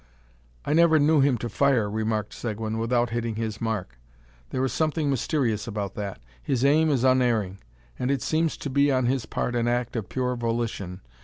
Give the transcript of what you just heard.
"I never knew him to fire," remarked Seguin, "without hitting his mark. There is something mysterious about that. His aim is unerring; and it seems to be on his part an act of pure volition.